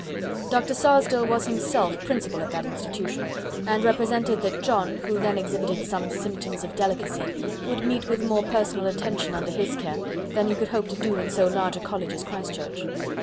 Dr. Sarsdell was himself Principal of that institution, and represented that John, who then exhibited some symptoms of delicacy, would meet with more personal attention under his care than he could hope to do in so large a college as Christ Church.